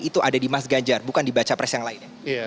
itu ada di mas ganjar bukan dibaca pres yang lain ya